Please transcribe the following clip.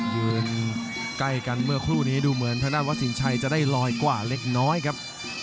ยืนใกล้กันเมื่อครู่นี้ดูเหมือนทางด้านวัดสินชัยจะได้ลอยกว่าเล็กน้อยครับ